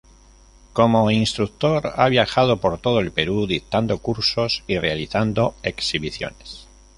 Como instructor, ha viajado por todo el Perú dictando cursos y realizando exhibiciones.